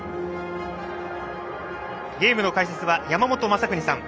ゲームの解説は山本昌邦さん。